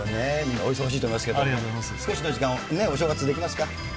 お忙しいと思いますけれども、少しの時間、お正月はできますか？